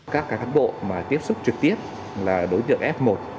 các cán bộ mà tiếp xúc trực tiếp là đối tượng f một